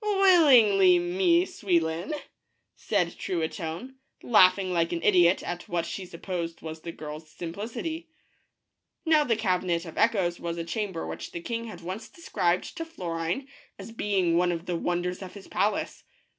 "Willingly, Mie Souillon," said Truitonne, laughing like an idiot at what she supposed was the girl's simplicity. Now the Cabinet of Echoes was a chamber which the king had once described to Florine as being one of the wonders of his palace.